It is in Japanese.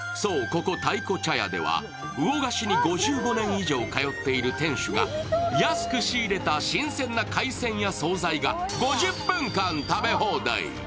ここ、たいこ茶屋では魚河岸に５５年以上通ってういる店主が新鮮な海鮮や総菜が５０分間食べ放題。